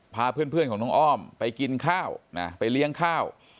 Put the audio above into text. พาเพื่อนของน้องอ้อมไปกินข้าวนะไปเลี้ยงข้าว